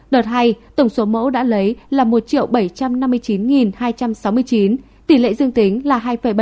đợt hai tổng số mẫu đã lấy là một bảy trăm năm mươi chín hai trăm sáu mươi chín tỷ lệ dương tính là hai bảy